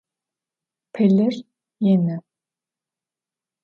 Пылыр ины.